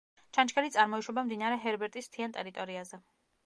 ჩანჩქერი წარმოიშვება მდინარე ჰერბერტის მთიან ტერიტორიაზე.